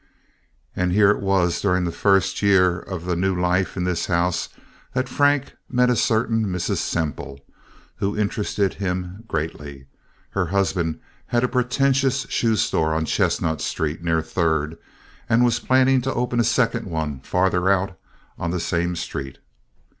And here it was, during the first year of the new life in this house, that Frank met a certain Mrs. Semple, who interested him greatly. Her husband had a pretentious shoe store on Chestnut Street, near Third, and was planning to open a second one farther out on the same street.